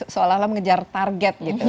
seolah olah mengejar target gitu